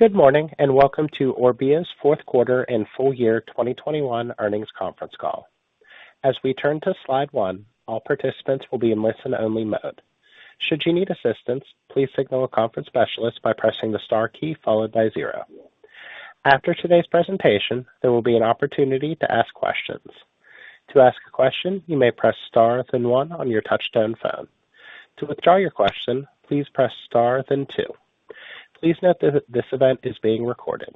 Good morning, and welcome to Orbia's fourth quarter and full year 2021 earnings conference call. As we turn to slide one, all participants will be in listen-only mode. Should you need assistance, please signal a conference specialist by pressing the star key followed by zero. After today's presentation, there will be an opportunity to ask questions. To ask a question, you may press star then 1 on your touchtone phone. To withdraw your question, please press star then 2. Please note that this event is being recorded.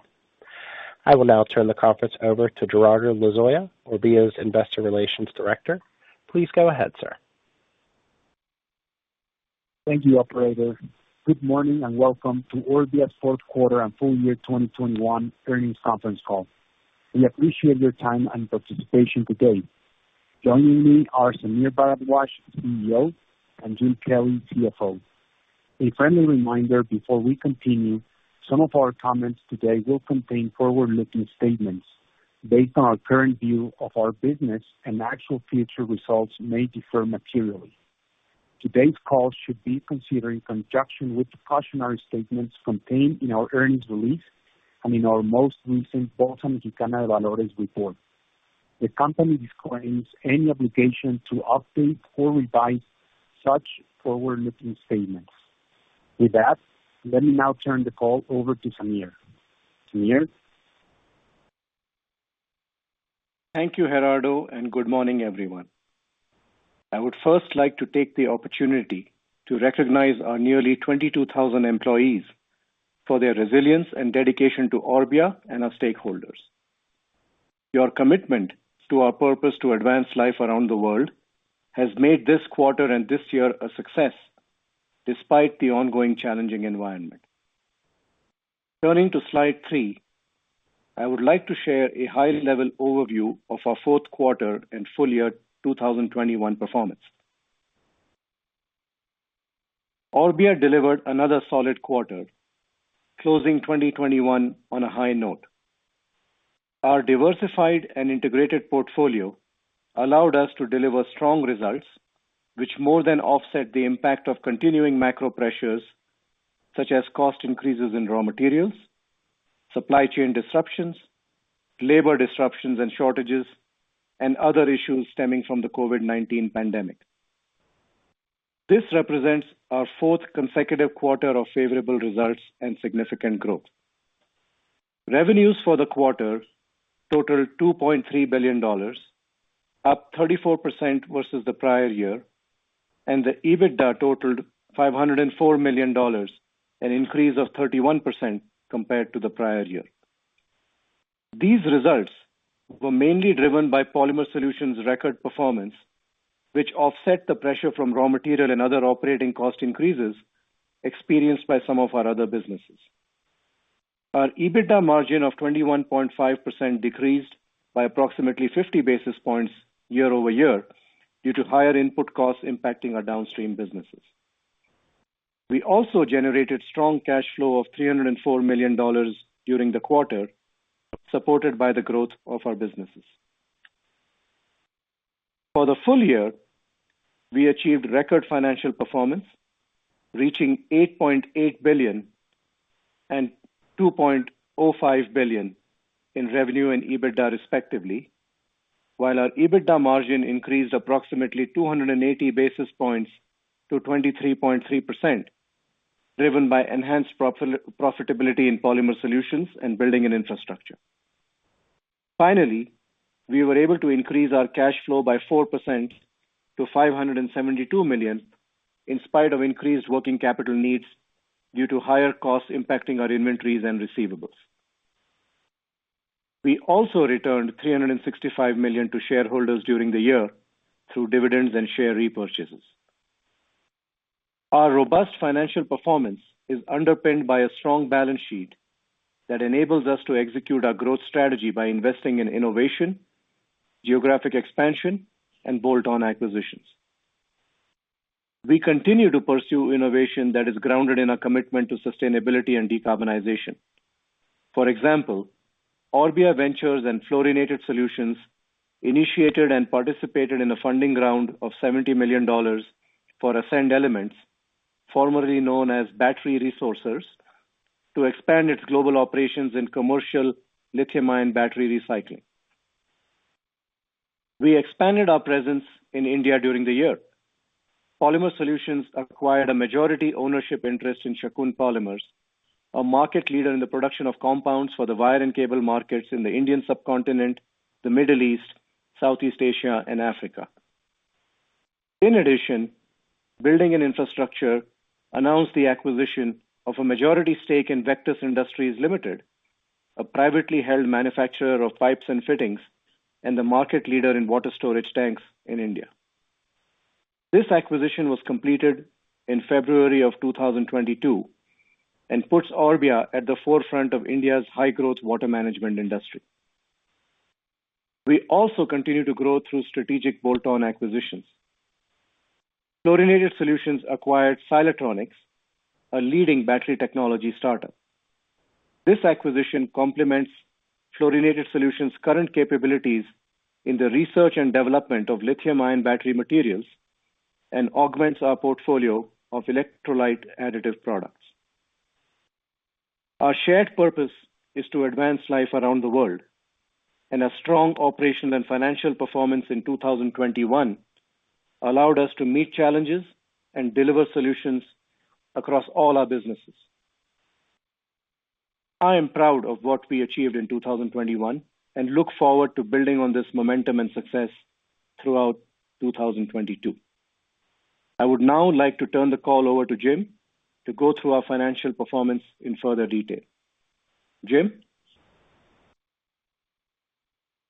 I will now turn the conference over to Gerardo Lozoya, Orbia's Investor Relations Director. Please go ahead, sir. Thank you, operator. Good morning and welcome to Orbia's fourth quarter and full year 2021 earnings conference call. We appreciate your time and participation today. Joining me are Sameer Bharadwaj, CEO, and Jim Kelly, CFO. A friendly reminder before we continue, some of our comments today will contain forward-looking statements based on our current view of our business and actual future results may differ materially. Today's call should be considered in conjunction with the cautionary statements contained in our earnings release and in our most recent Bolsa Mexicana de Valores report. The company disclaims any obligation to update or revise such forward-looking statements. With that, let me now turn the call over to Sameer. Sameer? Thank you, Gerardo, and good morning, everyone. I would first like to take the opportunity to recognize our nearly 22,000 employees for their resilience and dedication to Orbia and our stakeholders. Your commitment to our purpose to advance life around the world has made this quarter and this year a success despite the ongoing challenging environment. Turning to slide three, I would like to share a high-level overview of our fourth quarter and full year 2021 performance. Orbia delivered another solid quarter, closing 2021 on a high note. Our diversified and integrated portfolio allowed us to deliver strong results, which more than offset the impact of continuing macro pressures such as cost increases in raw materials, supply chain disruptions, labor disruptions and shortages, and other issues stemming from the COVID-19 pandemic. This represents our fourth consecutive quarter of favorable results and significant growth. Revenues for the quarter totaled $2.3 billion, up 34% versus the prior year, and the EBITDA totaled $504 million, an increase of 31% compared to the prior year. These results were mainly driven by Polymer Solutions' record performance, which offset the pressure from raw material and other operating cost increases experienced by some of our other businesses. Our EBITDA margin of 21.5% decreased by approximately 50 basis points year-over-year due to higher input costs impacting our downstream businesses. We also generated strong cash flow of $304 million during the quarter, supported by the growth of our businesses. For the full year, we achieved record financial performance, reaching $8.8 billion and $2.05 billion in revenue and EBITDA, respectively, while our EBITDA margin increased approximately 280 basis points to 23.3%, driven by enhanced profitability in Polymer Solutions and Building and Infrastructure. Finally, we were able to increase our cash flow by 4% to $572 million in spite of increased working capital needs due to higher costs impacting our inventories and receivables. We also returned $365 million to shareholders during the year through dividends and share repurchases. Our robust financial performance is underpinned by a strong balance sheet that enables us to execute our growth strategy by investing in innovation, geographic expansion, and bolt-on acquisitions. We continue to pursue innovation that is grounded in our commitment to sustainability and decarbonization. For example, Orbia Ventures and Fluorinated Solutions initiated and participated in a funding round of $70 million for Ascend Elements, formerly known as Battery Resourcers, to expand its global operations in commercial lithium-ion battery recycling. We expanded our presence in India during the year. Polymer Solutions acquired a majority ownership interest in Shakun Polymers, a market leader in the production of compounds for the wire and cable markets in the Indian subcontinent, the Middle East, Southeast Asia, and Africa. In addition, Building and Infrastructure announced the acquisition of a majority stake in Vectus Industries Limited, a privately held manufacturer of pipes and fittings and the market leader in water storage tanks in India. This acquisition was completed in February 2022 and puts Orbia at the forefront of India's high-growth water management industry. We also continue to grow through strategic bolt-on acquisitions. Fluorinated Solutions acquired Silatronix, a leading battery technology startup. This acquisition complements Fluorinated Solutions' current capabilities in the research and development of lithium-ion battery materials and augments our portfolio of electrolyte additive products. Our shared purpose is to advance life around the world, and a strong operation and financial performance in 2021 allowed us to meet challenges and deliver solutions across all our businesses. I am proud of what we achieved in 2021, and look forward to building on this momentum and success throughout 2022. I would now like to turn the call over to Jim to go through our financial performance in further detail. Jim.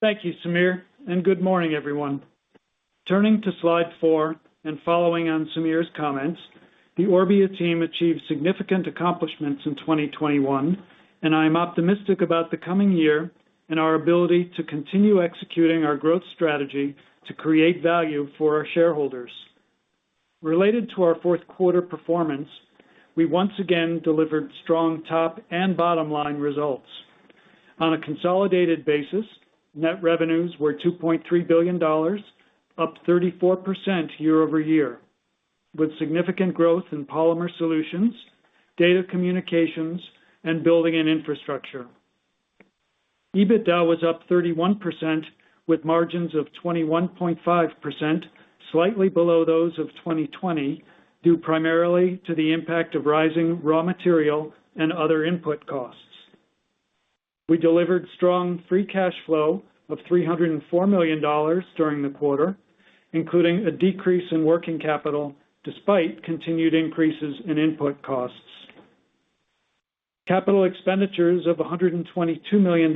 Thank you, Sameer, and good morning, everyone. Turning to slide four, following on Sameer's comments, the Orbia team achieved significant accomplishments in 2021, and I am optimistic about the coming year and our ability to continue executing our growth strategy to create value for our shareholders. Related to our fourth quarter performance, we once again delivered strong top- and bottom-line results. On a consolidated basis, net revenues were $2.3 billion, up 34% year-over-year, with significant growth in Polymer Solutions, Data Communications, and Building and Infrastructure. EBITDA was up 31% with margins of 21.5%, slightly below those of 2020, due primarily to the impact of rising raw material and other input costs. We delivered strong free cash flow of $304 million during the quarter, including a decrease in working capital despite continued increases in input costs. Capital expenditures of $122 million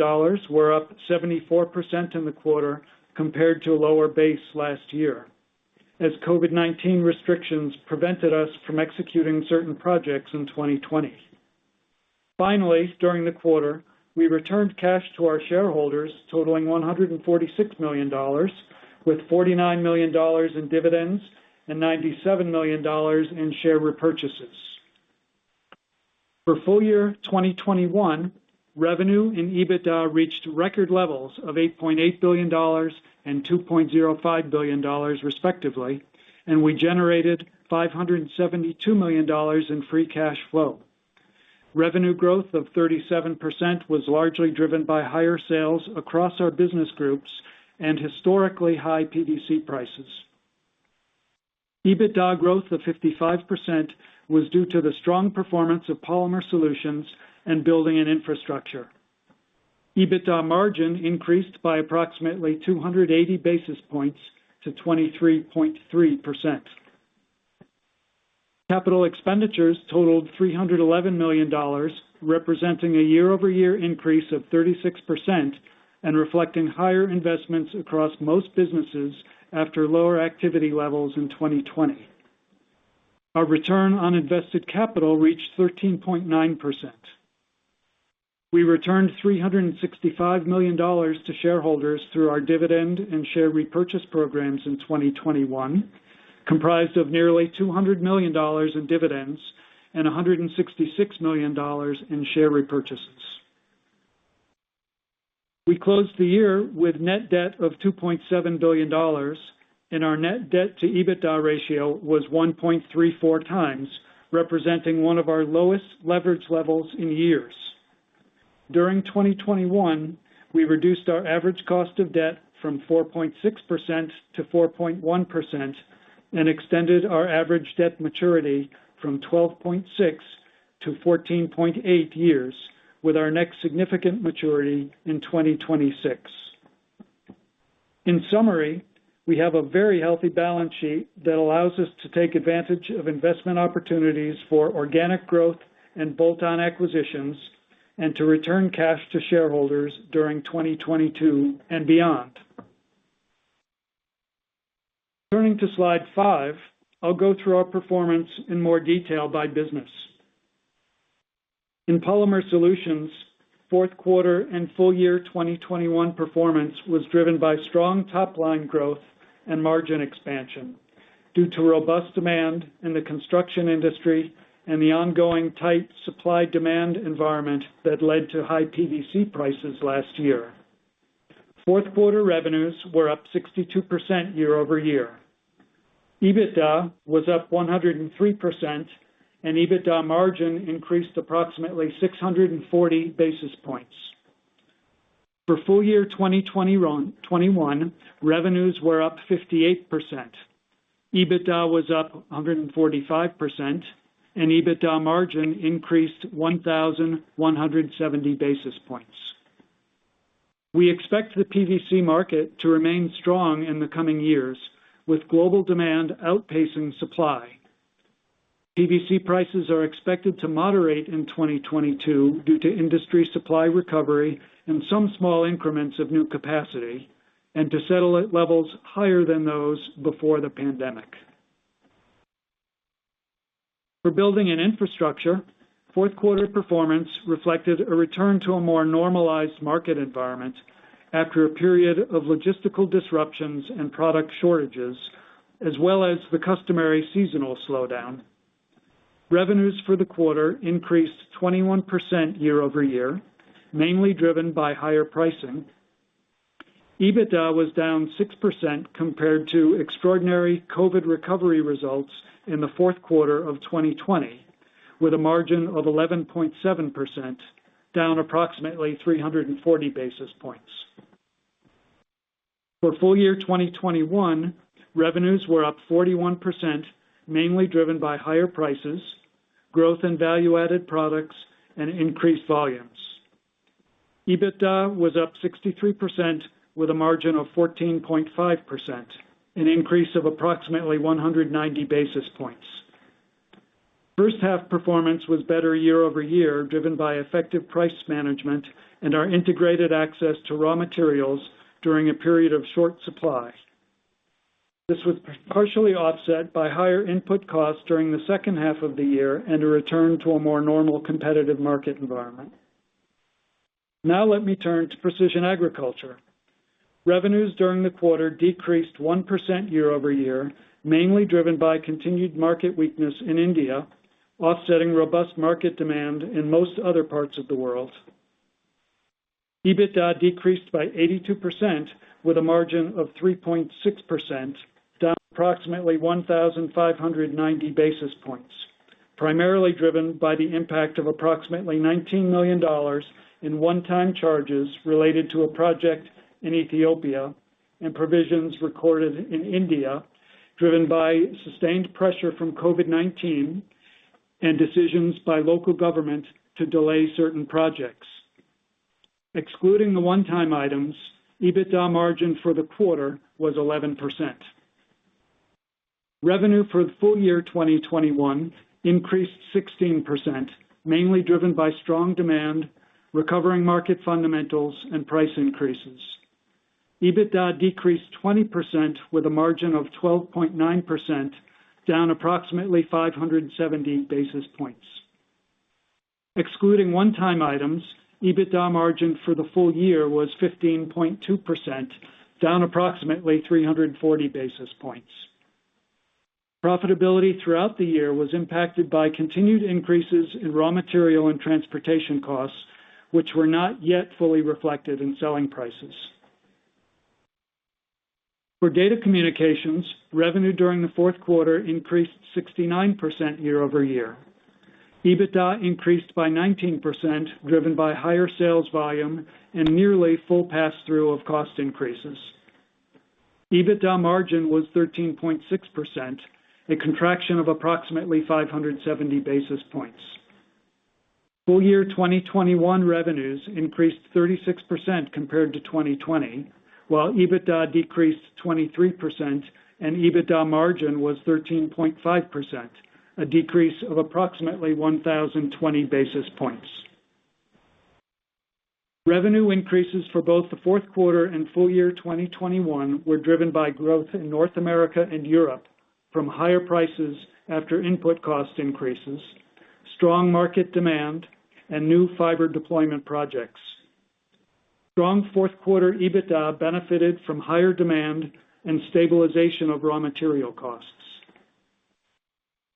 were up 74% in the quarter compared to a lower base last year, as COVID-19 restrictions prevented us from executing certain projects in 2020. Finally, during the quarter, we returned cash to our shareholders totaling $146 million, with $49 million in dividends and $97 million in share repurchases. For full year 2021, revenue and EBITDA reached record levels of $8.8 billion and $2.05 billion respectively, and we generated $572 million in free cash flow. Revenue growth of 37% was largely driven by higher sales across our business groups and historically high PVC prices. EBITDA growth of 55% was due to the strong performance of Polymer Solutions and Building and Infrastructure. EBITDA margin increased by approximately 280 basis points to 23.3%. Capital expenditures totaled $311 million, representing a year-over-year increase of 36% and reflecting higher investments across most businesses after lower activity levels in 2020. Our return on invested capital reached 13.9%. We returned $365 million to shareholders through our dividend and share repurchase programs in 2021, comprised of nearly $200 million in dividends and $166 million in share repurchases. We closed the year with net debt of $2.7 billion, and our net debt to EBITDA ratio was 1.34x, representing one of our lowest leverage levels in years. During 2021, we reduced our average cost of debt from 4.6% to 4.1% and extended our average debt maturity from 12.6-14.8 years, with our next significant maturity in 2026. In summary, we have a very healthy balance sheet that allows us to take advantage of investment opportunities for organic growth and bolt-on acquisitions and to return cash to shareholders during 2022 and beyond. Turning to slide five, I'll go through our performance in more detail by business. In Polymer Solutions, fourth quarter and full year 2021 performance was driven by strong top-line growth and margin expansion due to robust demand in the construction industry and the ongoing tight supply-demand environment that led to high PVC prices last year. Fourth quarter revenues were up 62% year-over-year. EBITDA was up 103%, and EBITDA margin increased approximately 640 basis points. For full year 2021, revenues were up 58%. EBITDA was up 145%, and EBITDA margin increased 1,170 basis points. We expect the PVC market to remain strong in the coming years, with global demand outpacing supply. PVC prices are expected to moderate in 2022 due to industry supply recovery and some small increments of new capacity, and to settle at levels higher than those before the pandemic. For Building and Infrastructure, fourth quarter performance reflected a return to a more normalized market environment after a period of logistical disruptions and product shortages, as well as the customary seasonal slowdown. Revenues for the quarter increased 21% year-over-year, mainly driven by higher pricing. EBITDA was down 6% compared to extraordinary COVID recovery results in the fourth quarter of 2020, with a margin of 11.7%, down approximately 340 basis points. For full year 2021, revenues were up 41%, mainly driven by higher prices, growth in value-added products, and increased volumes. EBITDA was up 63% with a margin of 14.5%, an increase of approximately 190 basis points. First half performance was better year over year, driven by effective price management and our integrated access to raw materials during a period of short supply. This was partially offset by higher input costs during the second half of the year and a return to a more normal competitive market environment. Now let me turn to Precision Agriculture. Revenues during the quarter decreased 1% year-over-year, mainly driven by continued market weakness in India, offsetting robust market demand in most other parts of the world. EBITDA decreased by 82% with a margin of 3.6%, down approximately 1,590 basis points, primarily driven by the impact of approximately $19 million in one-time charges related to a project in Ethiopia and provisions recorded in India, driven by sustained pressure from COVID-19 and decisions by local government to delay certain projects. Excluding the one-time items, EBITDA margin for the quarter was 11%. Revenue for the full year 2021 increased 16%, mainly driven by strong demand, recovering market fundamentals, and price increases. EBITDA decreased 20% with a margin of 12.9%, down approximately 570 basis points. Excluding one-time items, EBITDA margin for the full year was 15.2%, down approximately 340 basis points. Profitability throughout the year was impacted by continued increases in raw material and transportation costs, which were not yet fully reflected in selling prices. For Data Communications, revenue during the fourth quarter increased 69% year-over-year. EBITDA increased by 19%, driven by higher sales volume and nearly full passthrough of cost increases. EBITDA margin was 13.6%, a contraction of approximately 570 basis points. Full year 2021 revenues increased 36% compared to 2020, while EBITDA decreased 23% and EBITDA margin was 13.5%, a decrease of approximately 1,020 basis points. Revenue increases for both the fourth quarter and full year 2021 were driven by growth in North America and Europe from higher prices after input cost increases, strong market demand, and new fiber deployment projects. Strong fourth quarter EBITDA benefited from higher demand and stabilization of raw material costs.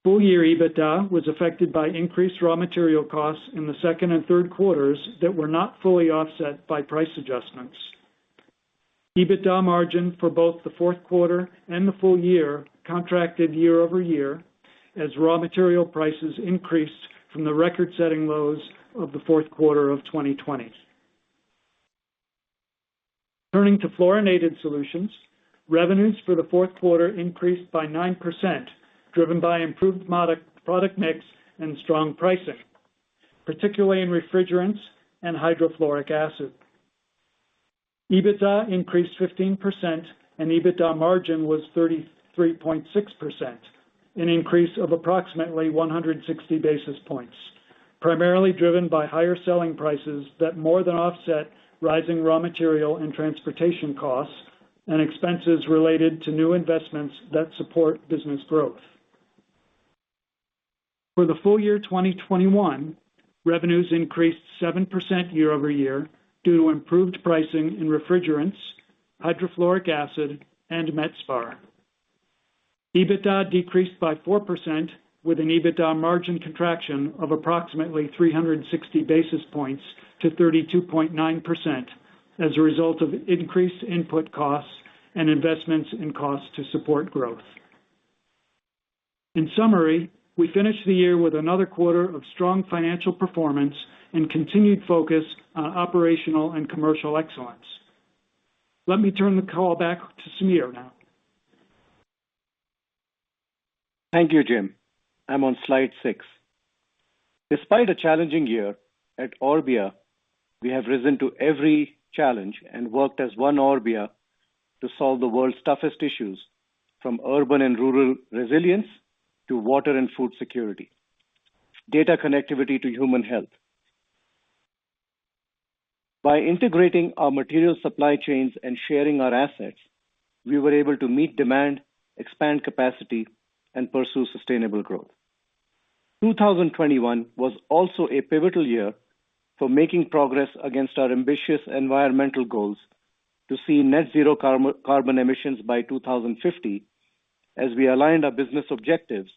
Full year EBITDA was affected by increased raw material costs in the second and third quarters that were not fully offset by price adjustments. EBITDA margin for both the fourth quarter and the full year contracted year-over-year as raw material prices increased from the record-setting lows of the fourth quarter of 2020. Turning to Fluorinated Solutions, revenues for the fourth quarter increased by 9%, driven by improved product mix and strong pricing, particularly in refrigerants and hydrofluoric acid. EBITDA increased 15% and EBITDA margin was 33.6%, an increase of approximately 160 basis points, primarily driven by higher selling prices that more than offset rising raw material and transportation costs and expenses related to new investments that support business growth. For the full year 2021, revenues increased 7% year-over-year due to improved pricing in refrigerants, hydrofluoric acid, and metspar. EBITDA decreased by 4% with an EBITDA margin contraction of approximately 360 basis points to 32.9% as a result of increased input costs and investments in costs to support growth. In summary, we finished the year with another quarter of strong financial performance and continued focus on operational and commercial excellence. Let me turn the call back to Sameer now. Thank you, Jim. I'm on slide six. Despite a challenging year, at Orbia, we have risen to every challenge and worked as one Orbia to solve the world's toughest issues, from urban and rural resilience to water and food security, data connectivity to human health. By integrating our material supply chains and sharing our assets, we were able to meet demand, expand capacity, and pursue sustainable growth. 2021 was also a pivotal year for making progress against our ambitious environmental goals to achieve net zero carbon emissions by 2050. We aligned our business objectives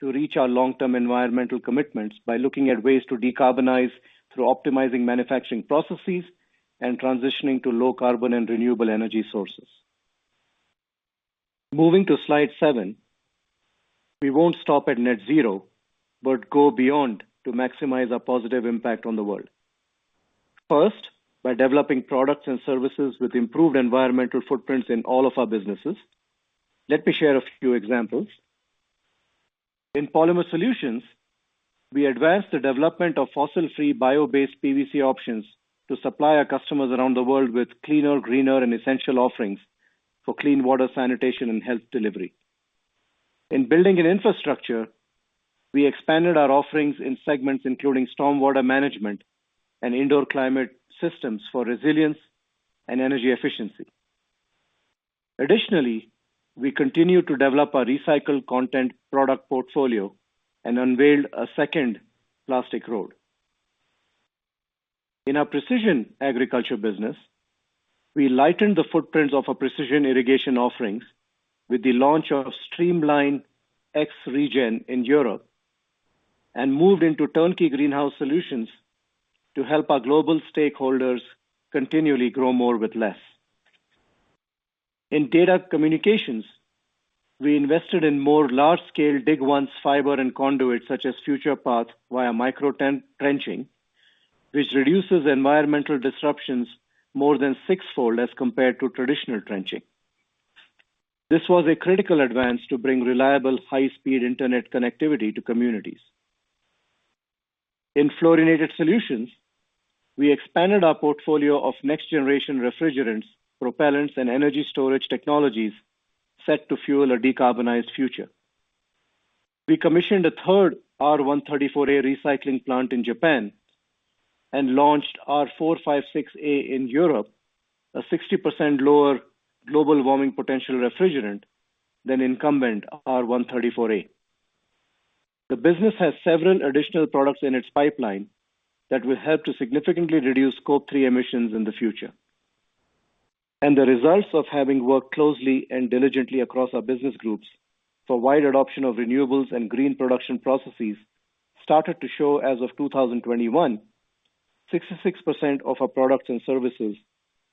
to reach our long-term environmental commitments by looking at ways to decarbonize through optimizing manufacturing processes and transitioning to low carbon and renewable energy sources. Moving to slide seven, we won't stop at net zero, but go beyond to maximize our positive impact on the world. First, by developing products and services with improved environmental footprints in all of our businesses. Let me share a few examples. In Polymer Solutions, we advanced the development of fossil-free bio-based PVC options to supply our customers around the world with cleaner, greener, and essential offerings for clean water, sanitation, and health delivery. In Building and Infrastructure, we expanded our offerings in segments including stormwater management and indoor climate systems for resilience and energy efficiency. Additionally, we continue to develop our recycled content product portfolio and unveiled a second plastic road. In our Precision Agriculture business, we lightened the footprints of our precision irrigation offerings with the launch of Streamline X ReGen in Europe and moved into turnkey greenhouse solutions to help our global stakeholders continually grow more with less. In Data Communications, we invested in more large-scale Dig Once fiber and conduits such as FuturePath via micro ten-trenching, which reduces environmental disruptions more than six-fold as compared to traditional trenching. This was a critical advance to bring reliable high-speed internet connectivity to communities. In Fluorinated Solutions, we expanded our portfolio of next-generation refrigerants, propellants, and energy storage technologies set to fuel a decarbonized future. We commissioned a third R134a recycling plant in Japan and launched R456A in Europe, a 60% lower global warming potential refrigerant than incumbent R134a. The business has several additional products in its pipeline that will help to significantly reduce Scope three emissions in the future. The results of having worked closely and diligently across our business groups for wide adoption of renewables and green production processes started to show as of 2021. 66% of our products and services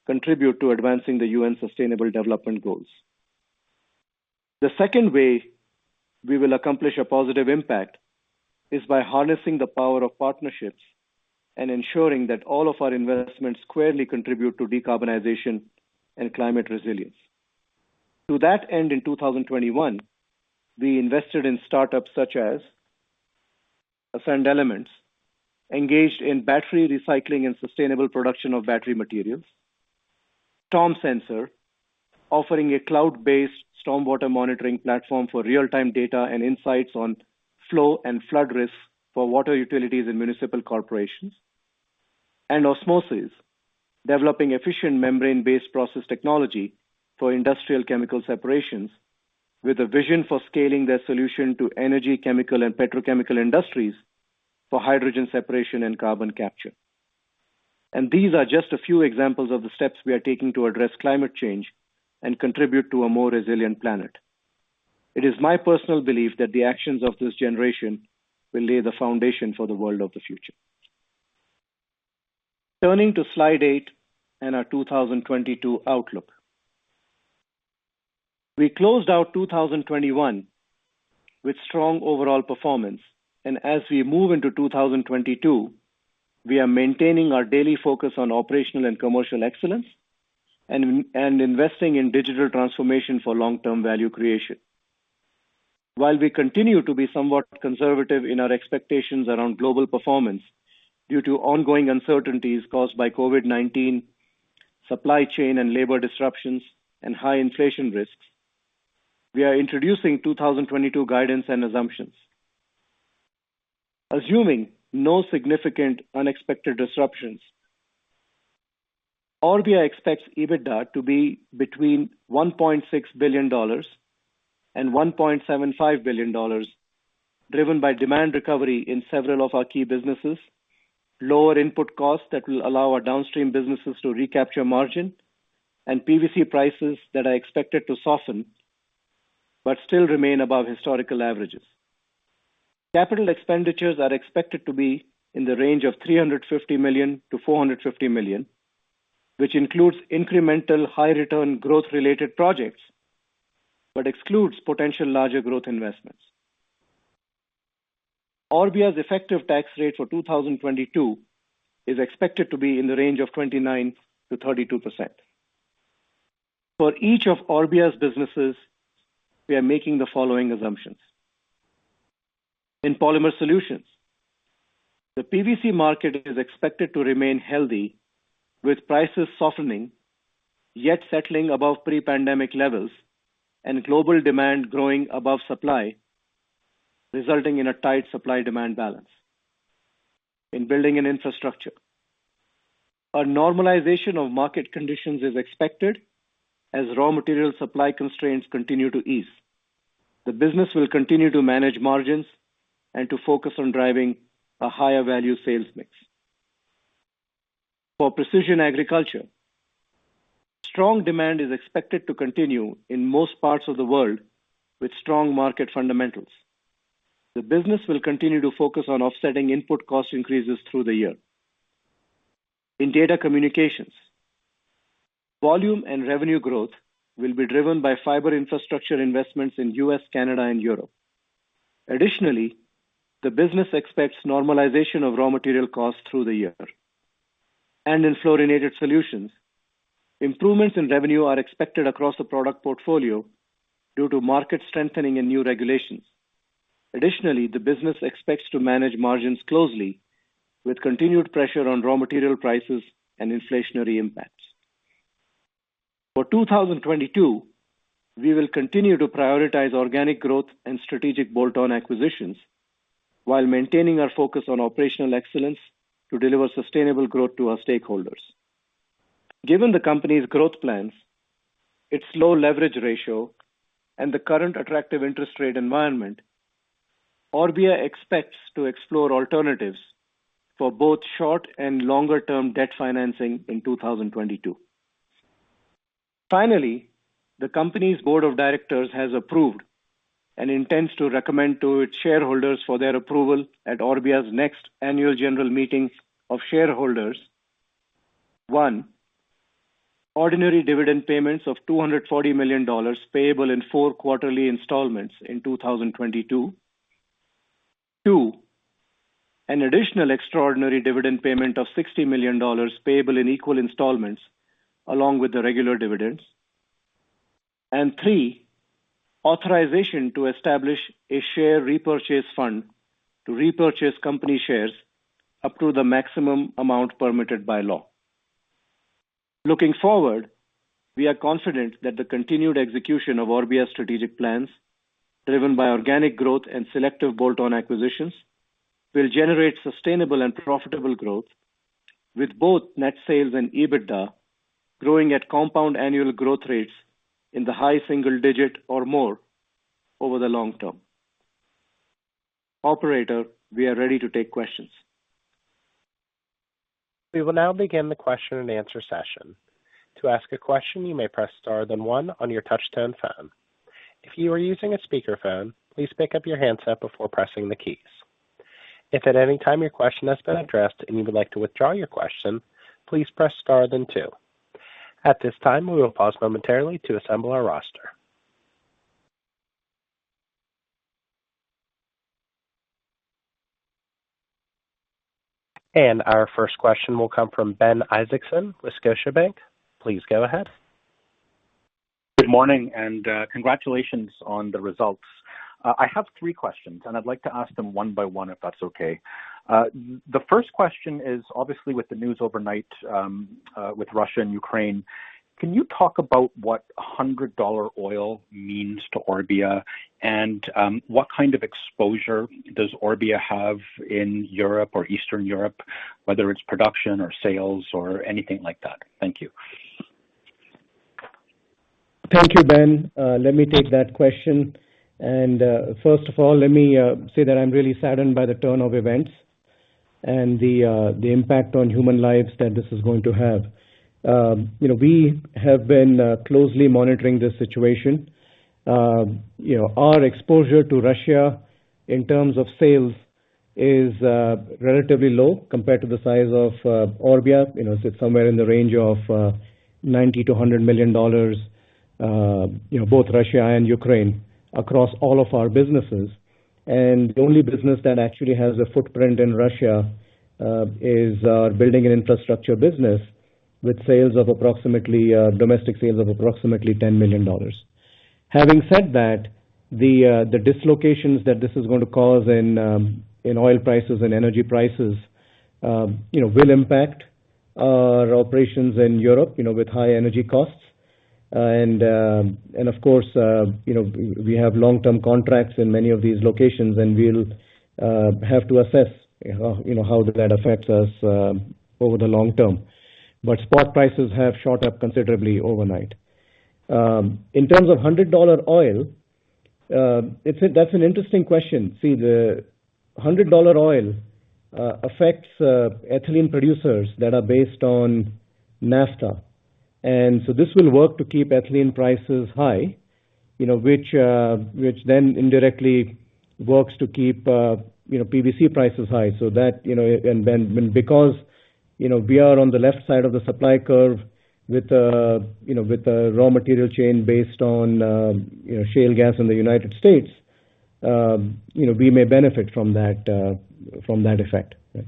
contribute to advancing the UN Sustainable Development Goals. The second way we will accomplish a positive impact is by harnessing the power of partnerships and ensuring that all of our investments squarely contribute to decarbonization and climate resilience. To that end, in 2021, we invested in startups such as Ascend Elements engaged in battery recycling and sustainable production of battery materials, StormSensor offering a cloud-based stormwater monitoring platform for real-time data and insights on flow and flood risk for water utilities and municipal corporations, and Osmoses developing efficient membrane-based process technology for industrial chemical separations with a vision for scaling their solution to energy, chemical, and petrochemical industries for hydrogen separation and carbon capture. These are just a few examples of the steps we are taking to address climate change and contribute to a more resilient planet. It is my personal belief that the actions of this generation will lay the foundation for the world of the future. Turning to slide eight and our 2022 outlook. We closed out 2021 with strong overall performance. As we move into 2022, we are maintaining our daily focus on operational and commercial excellence and investing in digital transformation for long-term value creation. While we continue to be somewhat conservative in our expectations around global performance due to ongoing uncertainties caused by COVID-19, supply chain and labor disruptions, and high inflation risks, we are introducing 2022 guidance and assumptions. Assuming no significant unexpected disruptions, Orbia expects EBITDA to be between $1.6 billion and $1.75 billion, driven by demand recovery in several of our key businesses, lower input costs that will allow our downstream businesses to recapture margin, and PVC prices that are expected to soften but still remain above historical averages. Capital expenditures are expected to be in the range of $350 million-$450 million, which includes incremental high return growth-related projects but excludes potential larger growth investments. Orbia's effective tax rate for 2022 is expected to be in the range of 29%-32%. For each of Orbia's businesses, we are making the following assumptions. In Polymer Solutions, the PVC market is expected to remain healthy, with prices softening, yet settling above pre-pandemic levels and global demand growing above supply, resulting in a tight supply-demand balance. In Building and Infrastructure, a normalization of market conditions is expected as raw material supply constraints continue to ease. The business will continue to manage margins and to focus on driving a higher value sales mix. For Precision Agriculture, strong demand is expected to continue in most parts of the world with strong market fundamentals. The business will continue to focus on offsetting input cost increases through the year. In Data Communications, volume and revenue growth will be driven by fiber infrastructure investments in U.S., Canada and Europe. Additionally, the business expects normalization of raw material costs through the year. In Fluorinated Solutions, improvements in revenue are expected across the product portfolio due to market strengthening and new regulations. Additionally, the business expects to manage margins closely with continued pressure on raw material prices and inflationary impacts. For 2022, we will continue to prioritize organic growth and strategic bolt-on acquisitions while maintaining our focus on operational excellence to deliver sustainable growth to our stakeholders. Given the company's growth plans, its low leverage ratio and the current attractive interest rate environment, Orbia expects to explore alternatives for both short and longer term debt financing in 2022. Finally, the company's board of directors has approved and intends to recommend to its shareholders for their approval at Orbia's next annual general meeting of shareholders, one, ordinary dividend payments of $240 million payable in four quarterly installments in 2022, 2, an additional extraordinary dividend payment of $60 million payable in equal installments along with the regular dividends. Three, authorization to establish a share repurchase fund to repurchase company shares up to the maximum amount permitted by law. Looking forward, we are confident that the continued execution of Orbia's strategic plans, driven by organic growth and selective bolt-on acquisitions, will generate sustainable and profitable growth, with both net sales and EBITDA growing at compound annual growth rates in the high single digit or more over the long term. Operator, we are ready to take questions. We will now begin the question-and-answer session. To ask a question, you may press Star then one on your touchtone phone. If you are using a speakerphone, please pick up your handset before pressing the keys. If at any time your question has been addressed and you would like to withdraw your question, please press Star then two. At this time, we will pause momentarily to assemble our roster. Our first question will come from Ben Isaacson with Scotiabank. Please go ahead. Good morning, congratulations on the results. I have three questions, and I'd like to ask them one-by-one, if that's okay. The first question is, obviously with the news overnight, with Russia and Ukraine, can you talk about what 100-dollar oil means to Orbia? What kind of exposure does Orbia have in Europe or Eastern Europe, whether it's production or sales or anything like that? Thank you. Thank you, Ben. Let me take that question. First of all, let me say that I'm really saddened by the turn of events and the impact on human lives that this is going to have. You know, we have been closely monitoring this situation. You know, our exposure to Russia in terms of sales is relatively low compared to the size of Orbia. You know, it's somewhere in the range of $90 million-$100 million, you know, both Russia and Ukraine across all of our businesses. The only business that actually has a footprint in Russia is our Building and Infrastructure business, with sales of approximately domestic sales of approximately $10 million. Having said that, the dislocations that this is going to cause in oil prices and energy prices, you know, will impact our operations in Europe, you know, with high energy costs. Of course, you know, we have long-term contracts in many of these locations, and we'll have to assess, you know, how did that affect us over the long term. Spot prices have shot up considerably overnight. In terms of $100 oil, that's an interesting question. See, the $100 oil affects ethylene producers that are based on naphtha. This will work to keep ethylene prices high, you know, which then indirectly works to keep, you know, PVC prices high. because, you know, we are on the left side of the supply curve with the raw material chain based on, you know, shale gas in the United States, you know, we may benefit from that effect. Right.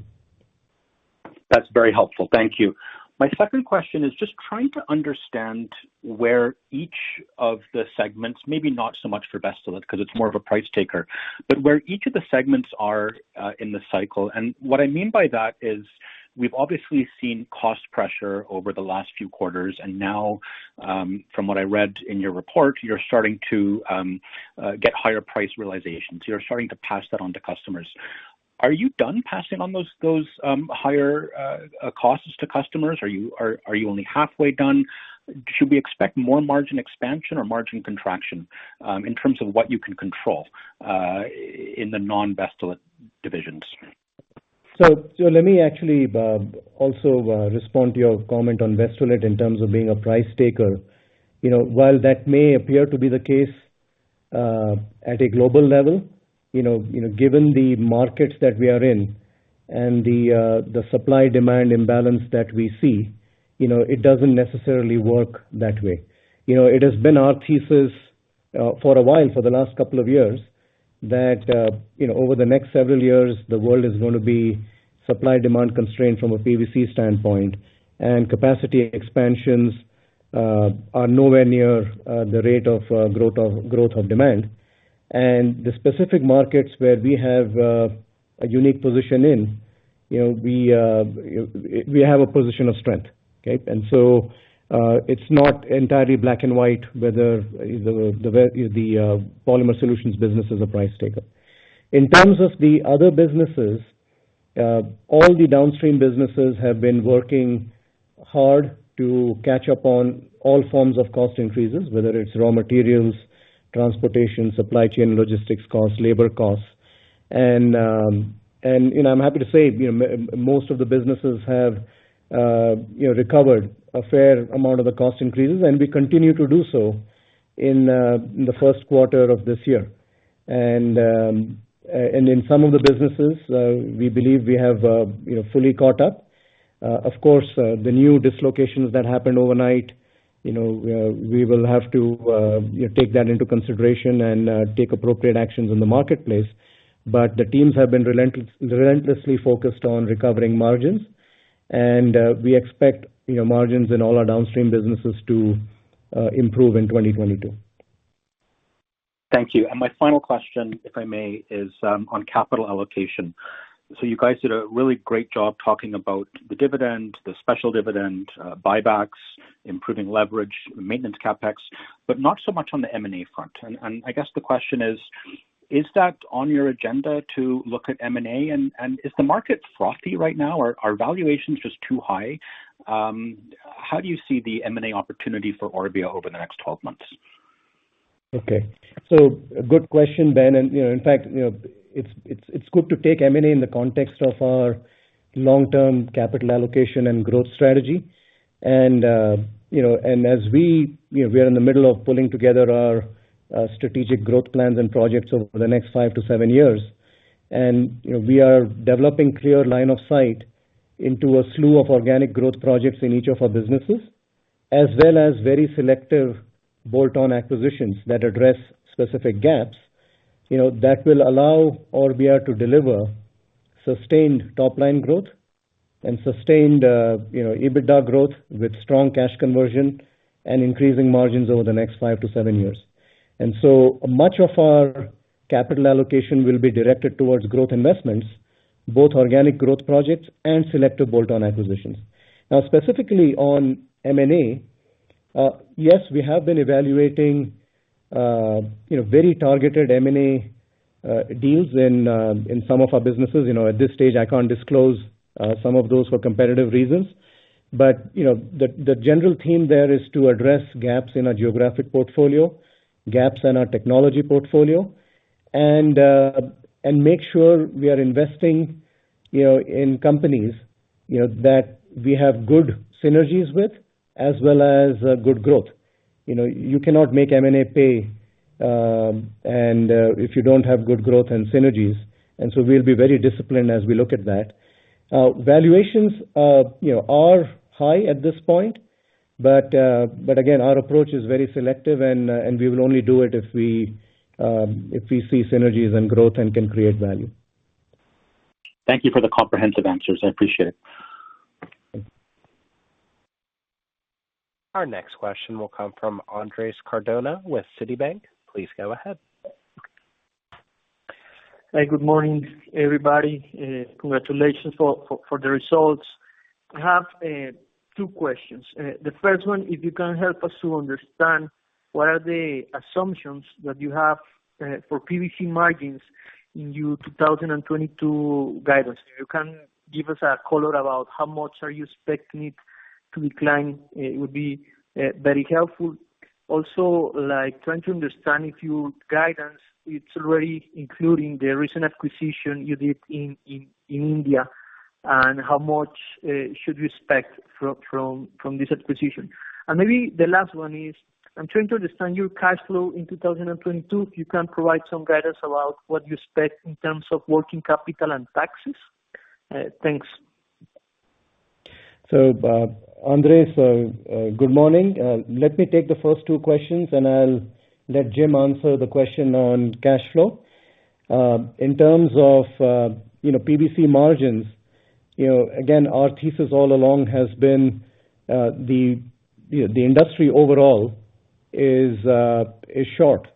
That's very helpful. Thank you. My second question is just trying to understand where each of the segments, maybe not so much for Vestolit because it's more of a price taker, but where each of the segments are in the cycle. What I mean by that is we've obviously seen cost pressure over the last few quarters. Now, from what I read in your report, you're starting to get higher price realizations. You're starting to pass that on to customers. Are you done passing on those higher costs to customers? Are you only halfway done? Should we expect more margin expansion or margin contraction in terms of what you can control in the non-Vestolit divisions? Let me actually also respond to your comment on Vestolit in terms of being a price taker. You know, while that may appear to be the case at a global level, you know, given the markets that we are in and the supply-demand imbalance that we see, you know, it doesn't necessarily work that way. You know, it has been our thesis for a while, for the last couple of years that, you know, over the next several years, the world is gonna be supply-demand constrained from a PVC standpoint. Capacity expansions are nowhere near the rate of growth of demand. The specific markets where we have a unique position in, you know, we have a position of strength. Okay? It's not entirely black and white whether the Polymer Solutions business is a price taker. In terms of the other businesses, all the downstream businesses have been working hard to catch up on all forms of cost increases, whether it's raw materials, transportation, supply chain, logistics costs, labor costs. You know, I'm happy to say, you know, most of the businesses have, you know, recovered a fair amount of the cost increases, and we continue to do so in the first quarter of this year. In some of the businesses, we believe we have, you know, fully caught up. Of course, the new dislocations that happened overnight, you know, we will have to take that into consideration and take appropriate actions in the marketplace. The teams have been relentlessly focused on recovering margins. We expect, you know, margins in all our downstream businesses to improve in 2022. Thank you. My final question, if I may, is on capital allocation. You guys did a really great job talking about the dividend, the special dividend, buybacks, improving leverage, maintenance CapEx, but not so much on the M&A front. I guess the question is: Is that on your agenda to look at M&A, and is the market frothy right now? Are valuations just too high? How do you see the M&A opportunity for Orbia over the next 12 months? Okay. Good question, Ben. You know, in fact, you know, it's good to take M&A in the context of our long-term capital allocation and growth strategy. You know, we are in the middle of pulling together our strategic growth plans and projects over the next five to seven years. You know, we are developing clear line of sight into a slew of organic growth projects in each of our businesses, as well as very selective bolt-on acquisitions that address specific gaps, you know, that will allow Orbia to deliver sustained top-line growth and sustained, you know, EBITDA growth with strong cash conversion and increasing margins over the next five to sevenyears. Much of our capital allocation will be directed towards growth investments, both organic growth projects and selective bolt-on acquisitions. Now, specifically on M&A, yes, we have been evaluating, you know, very targeted M&A deals in some of our businesses. You know, at this stage, I can't disclose some of those for competitive reasons. You know, the general theme there is to address gaps in our geographic portfolio, gaps in our technology portfolio, and make sure we are investing, you know, in companies, you know, that we have good synergies with as well as good growth. You know, you cannot make M&A pay, and if you don't have good growth and synergies. We'll be very disciplined as we look at that. Valuations, you know, are high at this point, but again, our approach is very selective, and we will only do it if we see synergies and growth and can create value. Thank you for the comprehensive answers. I appreciate it. Our next question will come from Andres Cardona with Citi. Please go ahead. Hi. Good morning, everybody. Congratulations for the results. I have two questions. The first one, if you can help us understand what are the assumptions that you have for PVC margins in your 2022 guidance? If you can give us a color about how much you are expecting it to decline, it would be very helpful. Also, like trying to understand if your guidance it's already including the recent acquisition you did in India, and how much should we expect from this acquisition? Maybe the last one is I'm trying to understand your cash flow in 2022. If you can provide some guidance about what you expect in terms of working capital and taxes. Thanks. Andres, good morning. Let me take the first two questions, and I'll let Jim answer the question on cash flow. In terms of you know PVC margins, you know, again, our thesis all along has been the you know the industry overall is short.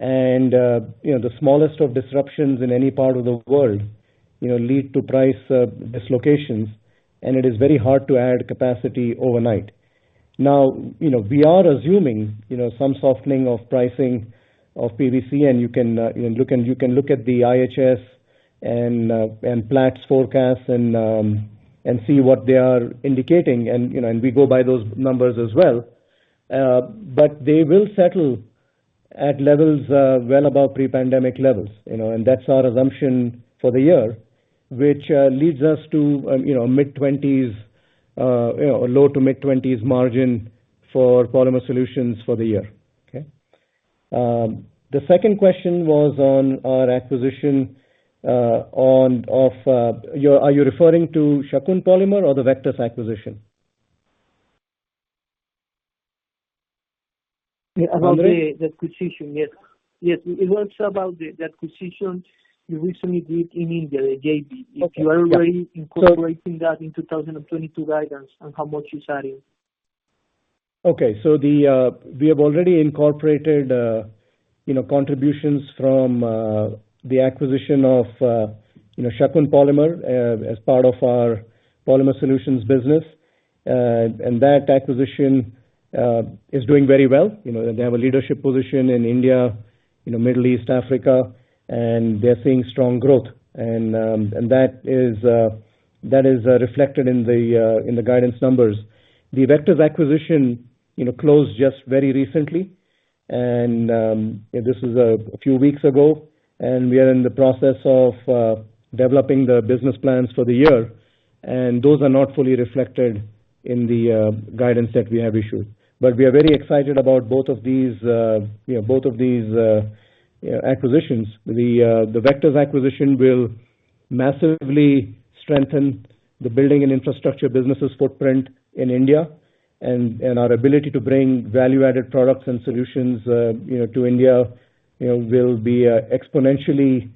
You know, the smallest of disruptions in any part of the world, you know, lead to price dislocations, and it is very hard to add capacity overnight. Now, you know, we are assuming you know some softening of pricing of PVC, and you can look at you can look at the IHS and Platts forecast and see what they are indicating. You know, we go by those numbers as well. But they will settle at levels well above pre-pandemic levels, you know. That's our assumption for the year, which leads us to, you know, mid-20s, you know, low- to mid-20s% margin for Polymer Solutions for the year. Okay. The second question was on our acquisition. Are you referring to Shakun Polymers or the Vectus acquisition? Andres? About the acquisition, yes. Yes. It was about the acquisition you recently did in India, the JV. Okay. Yeah. If you are already incorporating that in 2022 guidance, and how much it's adding? Okay. We have already incorporated, you know, contributions from the acquisition of, you know, Shakun Polymers as part of our Polymer Solutions business. That acquisition is doing very well. You know, they have a leadership position in India, you know, Middle East, Africa, and they're seeing strong growth. That is reflected in the guidance numbers. The Vectus acquisition, you know, closed just very recently. This is a few weeks ago, and we are in the process of developing the business plans for the year. Those are not fully reflected in the guidance that we have issued. We are very excited about both of these acquisitions. The Vectus acquisition will massively strengthen the Building and Infrastructure business's footprint in India. Our ability to bring value-added products and solutions, you know, to India, you know, will be exponentially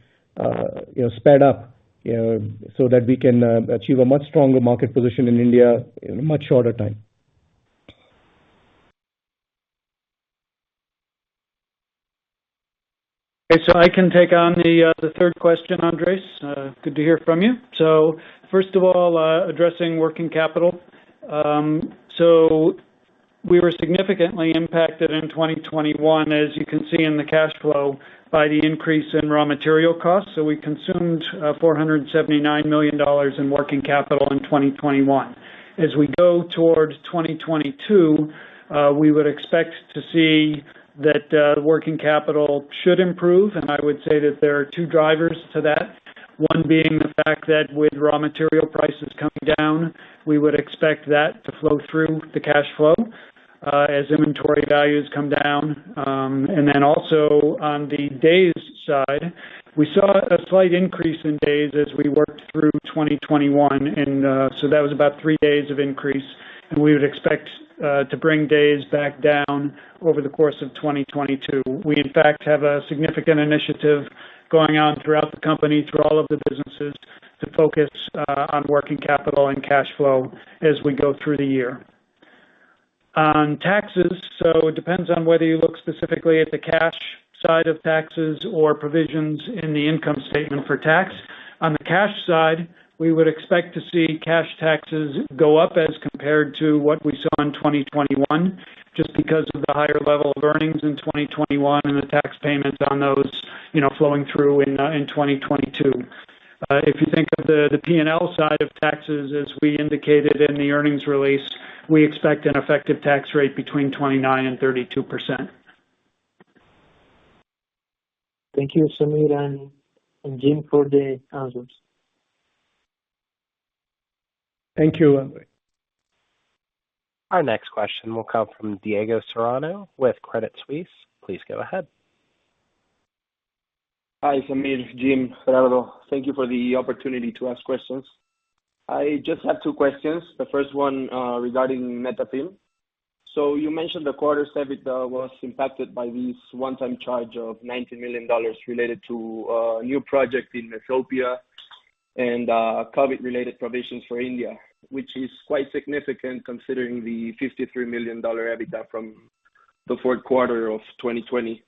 you know sped up, you know, so that we can achieve a much stronger market position in India in a much shorter time. Okay. I can take on the third question, Andres. Good to hear from you. First of all, addressing working capital. We were significantly impacted in 2021, as you can see in the cash flow, by the increase in raw material costs. We consumed $479 million in working capital in 2021. As we go towards 2022, we would expect to see that the working capital should improve. I would say that there are two drivers to that. One being the fact that with raw material prices coming down, we would expect that to flow through the cash flow, as inventory values come down. on the days side, we saw a slight increase in days as we worked through 2021, and so that was about three days of increase. We would expect to bring days back down over the course of 2022. We in fact have a significant initiative going on throughout the company, through all of the businesses to focus on working capital and cash flow as we go through the year. On taxes, so it depends on whether you look specifically at the cash side of taxes or provisions in the income statement for tax. On the cash side, we would expect to see cash taxes go up as compared to what we saw in 2021, just because of the higher level of earnings in 2021 and the tax payments on those, you know, flowing through in 2022. If you think of the P&L side of taxes, as we indicated in the earnings release, we expect an effective tax rate between 29% and 32%. Thank you, Sameer and Jim for the answers. Thank you, Andres. Our next question will come from Diego Serrano with Credit Suisse. Please go ahead. Hi, Sameer, Jim, Gerardo. Thank you for the opportunity to ask questions. I just have two questions. The first one, regarding Netafim. You mentioned the quarter's EBITDA was impacted by this one-time charge of $90 million related to a new project in Ethiopia and COVID-related provisions for India, which is quite significant considering the $53 million EBITDA from the fourth quarter of 2020.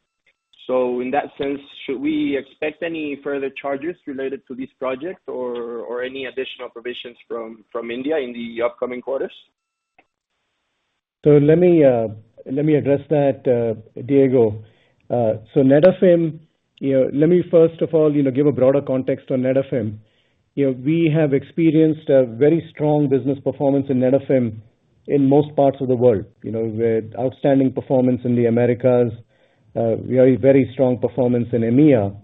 In that sense, should we expect any further charges related to this project or any additional provisions from India in the upcoming quarters? Let me address that, Diego. Netafim, you know, let me first of all, you know, give a broader context on Netafim. You know, we have experienced a very strong business performance in Netafim in most parts of the world. You know, with outstanding performance in the Americas, we have a very strong performance in EMEA,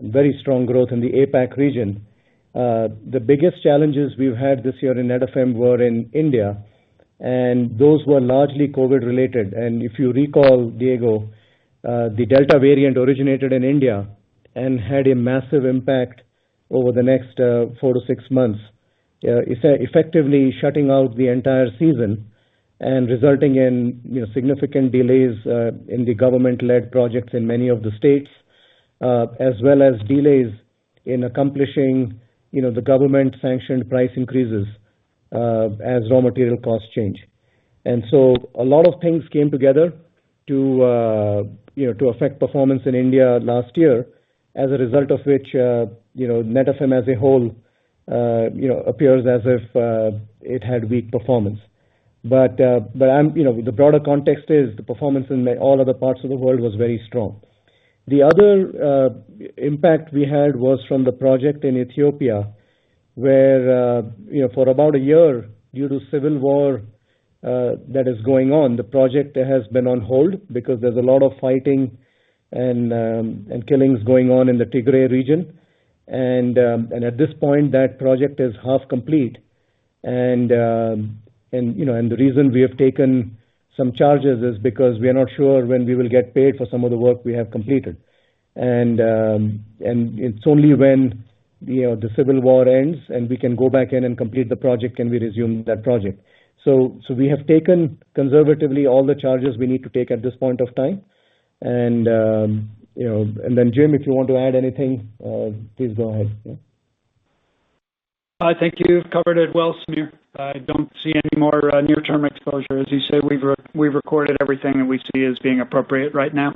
very strong growth in the APAC region. The biggest challenges we've had this year in Netafim were in India, and those were largely COVID-related. If you recall, Diego, the Delta variant originated in India and had a massive impact over the next four to six months. Effectively shutting out the entire season and resulting in, you know, significant delays in the government-led projects in many of the states, as well as delays in accomplishing, you know, the government-sanctioned price increases, as raw material costs change. A lot of things came together to, you know, to affect performance in India last year. As a result of which, you know, Netafim as a whole, you know, appears as if it had weak performance. I'm... You know, the broader context is the performance in all other parts of the world was very strong. The other impact we had was from the project in Ethiopia, where, you know, for about a year, due to civil war that is going on, the project has been on hold because there's a lot of fighting and killings going on in the Tigray region. At this point, that project is half complete. You know, the reason we have taken some charges is because we are not sure when we will get paid for some of the work we have completed. It's only when, you know, the civil war ends, and we can go back in and complete the project, can we resume that project. We have taken conservatively all the charges we need to take at this point of time. You know. Then, Jim, if you want to add anything, please go ahead. Yeah. I think you've covered it well, Sameer. I don't see any more near-term exposure. As you said, we've recorded everything that we see as being appropriate right now.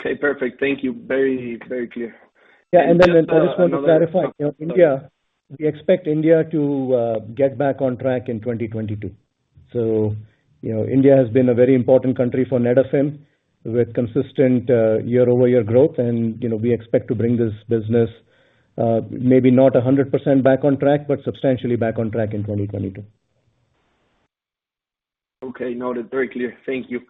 Okay, perfect. Thank you. Very, very clear. I just want to clarify, you know, India, we expect India to get back on track in 2022. You know, India has been a very important country for Netafim with consistent year-over-year growth. You know, we expect to bring this business, maybe not 100% back on track, but substantially back on track in 2022. Okay. Noted. Very clear. Thank you.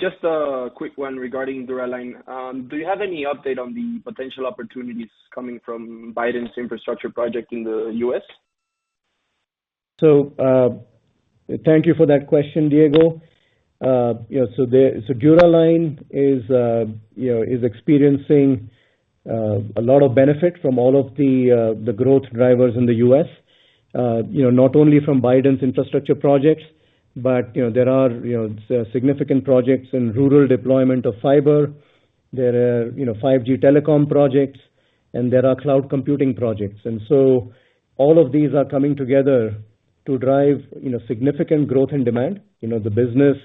Just a quick one regarding Dura-Line. Do you have any update on the potential opportunities coming from Biden's infrastructure project in the U.S.? Thank you for that question, Diego. Yeah, Dura-Line is, you know, experiencing a lot of benefit from all of the growth drivers in the U.S. You know, not only from Biden's infrastructure projects but, you know, there are significant projects in rural deployment of fiber. There are, you know, 5G telecom projects, and there are cloud computing projects. All of these are coming together to drive, you know, significant growth and demand. You know, the business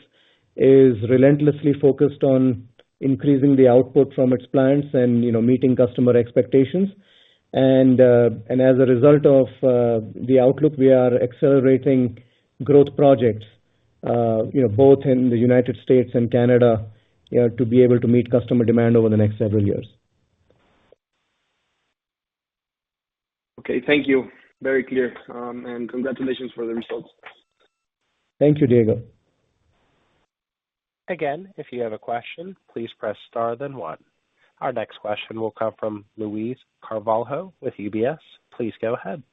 is relentlessly focused on increasing the output from its plants and, you know, meeting customer expectations. As a result of the outlook, we are accelerating growth projects, you know, both in the United States and Canada, to be able to meet customer demand over the next several years. Okay. Thank you. Very clear. Congratulations for the results. Thank you, Diego. Again, if you have a question, please press star then one. Our next question will come from Luiz Carvalho with UBS. Please go ahead.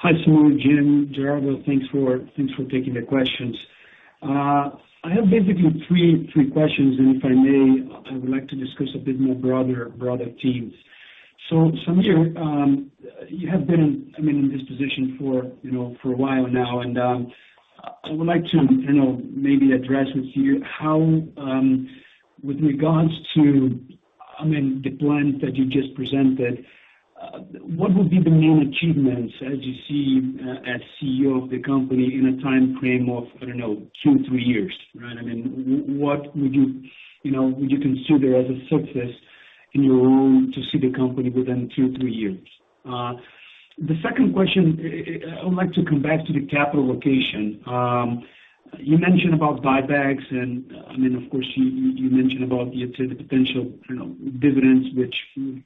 Hi, Sameer, Jim, Gerardo. Thanks for taking the questions. I have basically three questions. If I may, I would like to discuss a bit more broader themes. Sameer, you have been, I mean, in this position for, you know, for a while now, and, I would like to, you know, maybe address with you how, with regards to, I mean, the plans that you just presented, what would be the main achievements as you see as CEO of the company in a time frame of, I don't know, two, three years, right? I mean, what would you know, would you consider as a success in your role to see the company within two, three years? The second question, I would like to come back to the capital allocation. You mentioned about buybacks, and I mean, of course, you mentioned about the potential, you know, dividends, which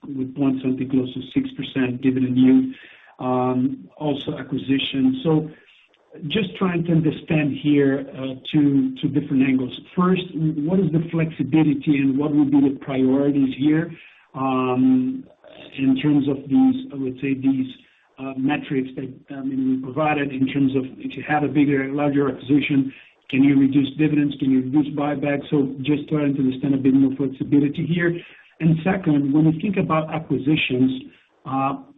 would want something close to 6% dividend yield, also acquisition. Just trying to understand here, two different angles. First, what is the flexibility and what will be the priorities here, in terms of these, I would say, these metrics that, I mean, you provided in terms of if you have a bigger and larger acquisition, can you reduce dividends, can you reduce buybacks? Just trying to understand a bit more flexibility here. Second, when you think about acquisitions,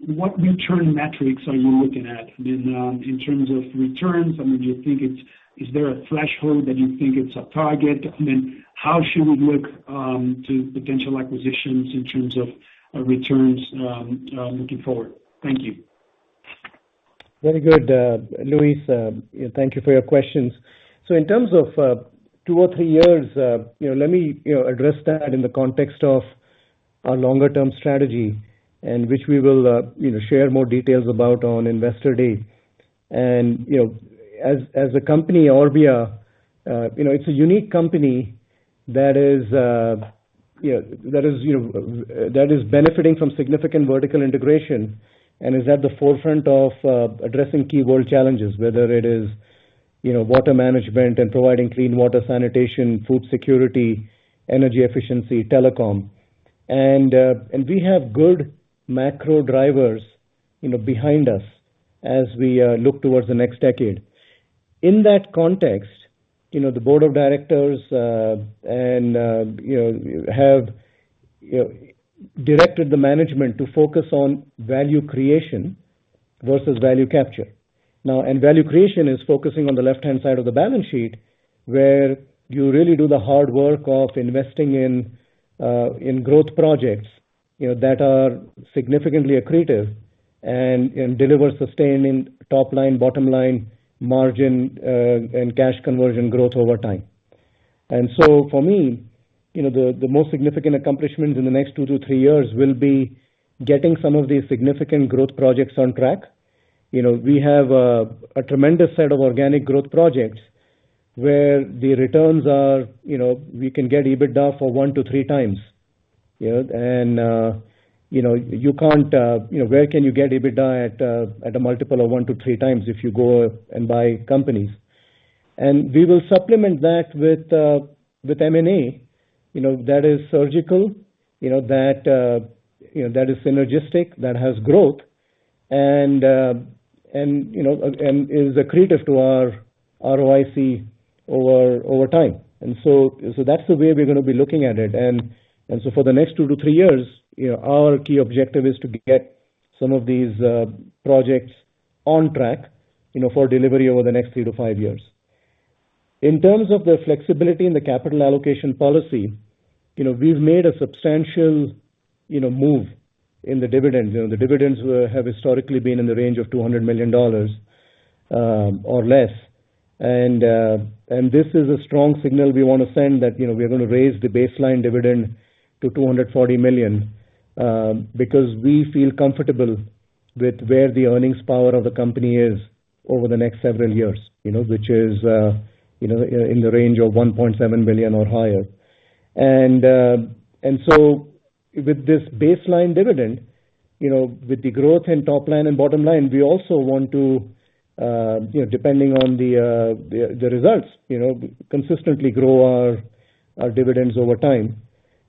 what return metrics are you looking at in terms of returns? I mean, do you think it's? Is there a threshold that you think it's a target? I mean, how should we look to potential acquisitions in terms of returns, looking forward? Thank you. Very good. Luiz, thank you for your questions. In terms of two or three years, you know, let me, you know, address that in the context of our longer term strategy and which we will, you know, share more details about on Investor Day. You know, as a company, Orbia, you know, it's a unique company that is benefiting from significant vertical integration and is at the forefront of addressing key world challenges, whether it is, you know, water management and providing clean water, sanitation, food security, energy efficiency, telecom. We have good macro drivers, you know, behind us as we look towards the next decade. In that context, you know, the board of directors and you know have you know directed the management to focus on value creation versus value capture. Now, value creation is focusing on the left-hand side of the balance sheet, where you really do the hard work of investing in growth projects, you know, that are significantly accretive and deliver sustaining top line, bottom line margin, and cash conversion growth over time. For me, you know, the most significant accomplishment in the next two to three years will be getting some of these significant growth projects on track. You know, we have a tremendous set of organic growth projects where the returns are, you know, we can get EBITDA for 1x-3x. You know? You can't... You know, where can you get EBITDA at a multiple of 1x-3x if you go and buy companies? We will supplement that with M&A, you know, that is surgical, you know, that is synergistic, that has growth and is accretive to our ROIC over time. That's the way we're gonna be looking at it. For the next two to three years, you know, our key objective is to get some of these projects on track, you know, for delivery over the next three to five years. In terms of the flexibility in the capital allocation policy, you know, we've made a substantial move in the dividends. You know, the dividends have historically been in the range of $200 million or less. This is a strong signal we wanna send that, you know, we are gonna raise the baseline dividend to $240 million because we feel comfortable with where the earnings power of the company is over the next several years, you know, which is in the range of $1.7 billion or higher. With this baseline dividend, you know, with the growth in top line and bottom line, we also want to, you know, depending on the results, you know, consistently grow our dividends over time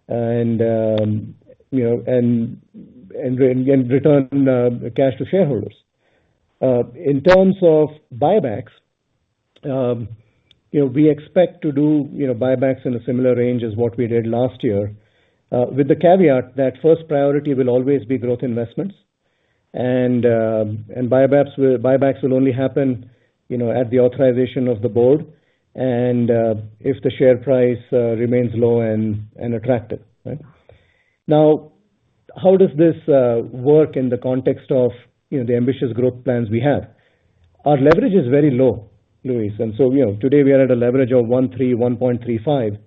and return cash to shareholders. In terms of buybacks, you know, we expect to do, you know, buybacks in a similar range as what we did last year, with the caveat that first priority will always be growth investments. Buybacks will only happen, you know, at the authorization of the board and, if the share price remains low and attractive, right? Now, how does this work in the context of, you know, the ambitious growth plans we have? Our leverage is very low, Luiz. You know, today we are at a leverage of 1.3,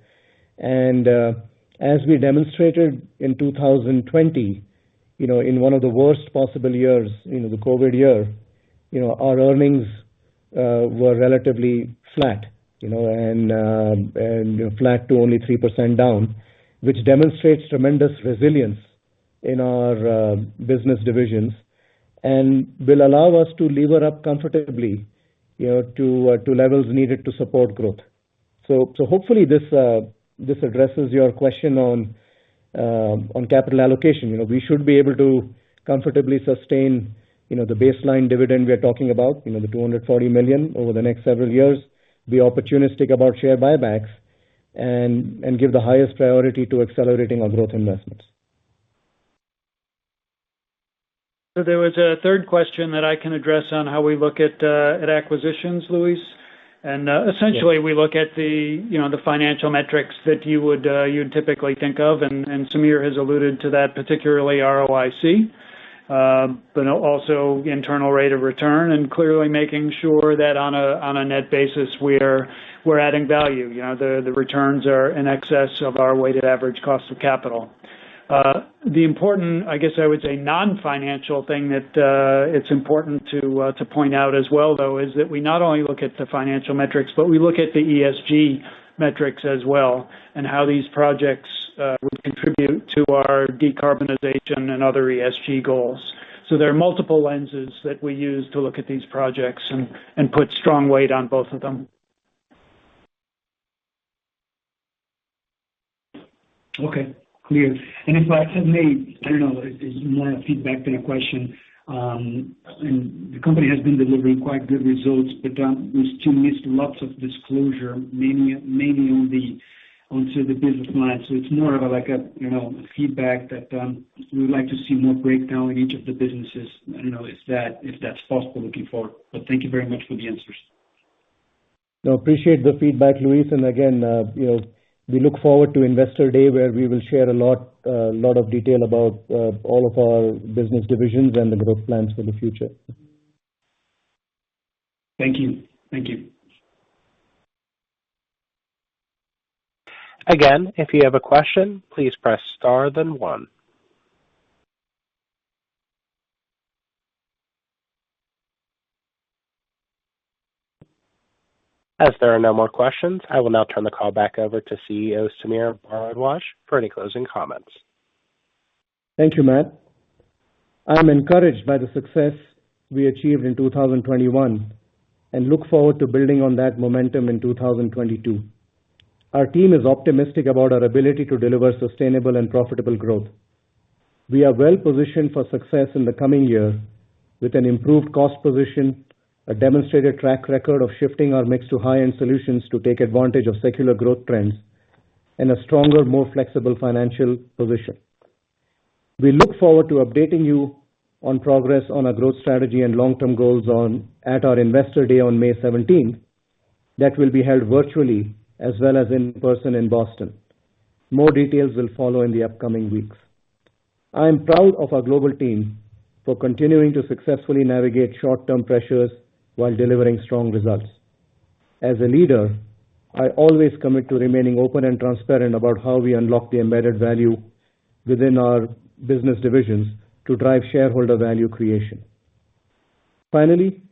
1.35. As we demonstrated in 2020, you know, in one of the worst possible years, you know, the COVID year, you know, our earnings were relatively flat, you know, and flat to only 3% down, which demonstrates tremendous resilience in our business divisions and will allow us to lever up comfortably, you know, to levels needed to support growth. Hopefully this addresses your question on capital allocation. You know, we should be able to comfortably sustain, you know, the baseline dividend we are talking about, you know, the $240 million over the next several years. Be opportunistic about share buybacks and give the highest priority to accelerating our growth investments. There was a third question that I can address on how we look at at acquisitions, Luiz. Yes. Essentially we look at the, you know, the financial metrics that you would, you'd typically think of, and Sameer has alluded to that, particularly ROIC. But also internal rate of return, and clearly making sure that on a net basis, we're adding value. You know, the returns are in excess of our weighted average cost of capital. The important, I guess I would say, non-financial thing that it's important to point out as well, though, is that we not only look at the financial metrics, but we look at the ESG metrics as well and how these projects would contribute to our decarbonization and other ESG goals. There are multiple lenses that we use to look at these projects and put strong weight on both of them. Okay. Clear. If I may, I don't know, it's more a feedback than a question. The company has been delivering quite good results, but we still missed lots of disclosure, mainly on the business lines. It's more of like a, you know, feedback that we would like to see more breakdown in each of the businesses. I don't know if that's possible looking forward. Thank you very much for the answers. No, I appreciate the feedback, Luiz. Again, you know, we look forward to Investor Day, where we will share a lot of detail about all of our business divisions and the growth plans for the future. Thank you. Thank you. If you have a question, please press star then one. As there are no more questions, I will now turn the call back over to CEO Sameer Bharadwaj for any closing comments. Thank you, Matt. I'm encouraged by the success we achieved in 2021 and look forward to building on that momentum in 2022. Our team is optimistic about our ability to deliver sustainable and profitable growth. We are well-positioned for success in the coming year with an improved cost position, a demonstrated track record of shifting our mix to high-end solutions to take advantage of secular growth trends, and a stronger, more flexible financial position. We look forward to updating you on progress on our growth strategy and long-term goals at our Investor Day on May 17th. That will be held virtually as well as in person in Boston. More details will follow in the upcoming weeks. I am proud of our global team for continuing to successfully navigate short-term pressures while delivering strong results. As a leader, I always commit to remaining open and transparent about how we unlock the embedded value within our business divisions to drive shareholder value creation. Finally,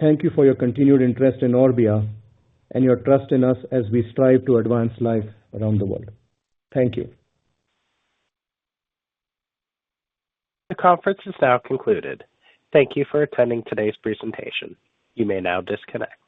thank you for your continued interest in Orbia and your trust in us as we strive to advance life around the world. Thank you. The conference is now concluded. Thank you for attending today's presentation. You may now disconnect.